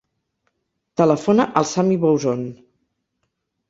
Telefona al Sami Bouzon.